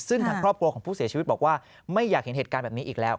ซึ่งทางครอบครัวของผู้เสียชีวิตบอกว่าไม่อยากเห็นเหตุการณ์แบบนี้อีกแล้ว